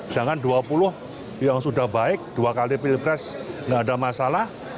jangan dua puluh yang sudah baik dua kali pilpres nggak ada masalah